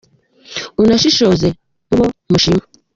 unashishoze mubo mushima